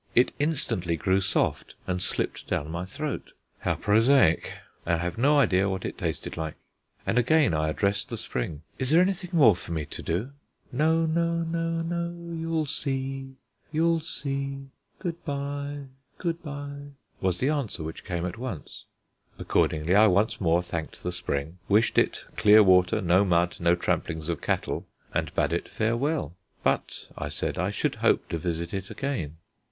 It instantly grew soft and slipped down my throat. How prosaic! I have no idea what it tasted like. And again I addressed the spring: "Is there anything more for me to do?" "No no, no no, you'll see, you'll see good bye, good bye," was the answer which came at once. Accordingly I once more thanked the spring, wished it clear water, no mud, no tramplings of cattle, and bade it farewell. But, I said, I should hope to visit it again.